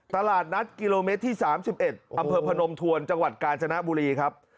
ตลาดนัดกิโลเมตรที่๓๑อำเภอพนมทวนจังหวัดกาญจนบุรีครับ